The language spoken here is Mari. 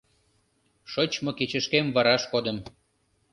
Шочмо кечышкем вараш кодым